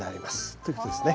ということですね。